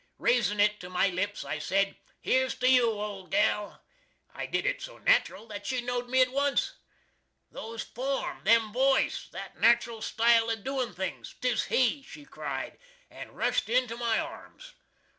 Raisin it to my lips, I sed "Here's to you, old gal!" I did it so natral that she knowed me at once. "Those form! Them voice! That natral stile of doin things! 'Tis he!" she cried, and rushed into my arms.